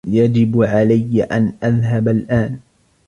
يجب علي أن أذهب الأن.